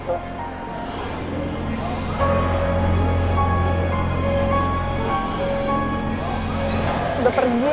julip enggak di mana